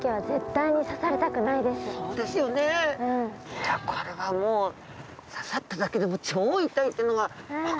いやこれはもう刺さっただけでも超痛いっていうのが分かりますね。